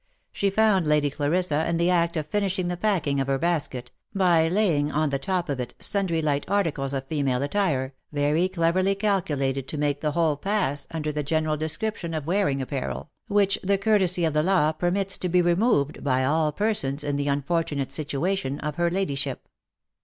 She found Lady Clarissa in the act of finishing the packing of her basket, by laying on the top of it sundry light articles of female attire, very cleverly calculated to make the whole pass under the general description of wearing apparel, which the courtesy of the law permits to be removed by all persons in the un fortunate situation of her ladyship.